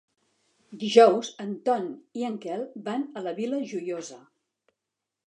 Dijous en Ton i en Quel van a la Vila Joiosa.